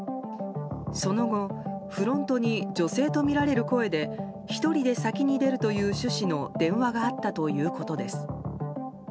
その後、フロントに女性とみられる声で１人で先に出るという趣旨の電話があったということです。